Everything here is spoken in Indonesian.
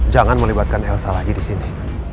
jangan melibatkan elsa lagi di sini